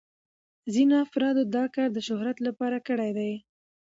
ځینو افرادو دا کار د شهرت لپاره کړی دی.